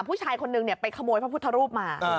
ผู้ชายคนนึงไปขโมยพระพุทธรูปมา